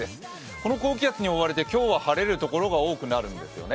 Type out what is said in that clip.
この高気圧に覆われて、今日は晴れる所が多くなるんですよね。